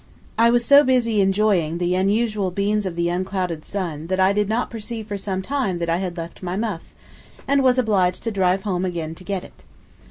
I was so busy enjoying the unusual beams of the unclouded sun that I did not perceive for some time that I had left my muff, and was obliged to drive home again to get it.